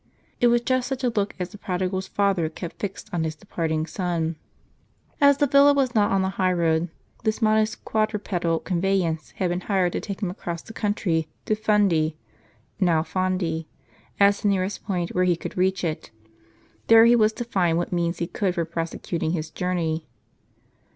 It was just such a look as the Prodigal's father kept fixed on his departing son. As the villa was not on the high road, this modest quad rupedal conveyance had been hired to take him across the country to Fundi (now Fondi), as the nearest point where he could reach it. There he was to find what means he could for prosecuting his journey.